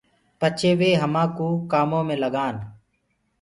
پڇي وي آمي همآڪوُ ڪآمو ڪمي لگآن۔